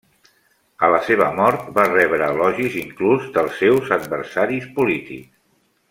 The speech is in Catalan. A la seva mort va rebre elogis inclús dels seus adversaris polítics.